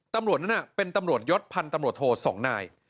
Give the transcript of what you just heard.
ตำรวจนั้นเป็นตำรวจยศพันธ์ตำรวจโท๒นาย